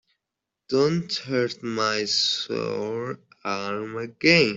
Don't hurt my sore arm again.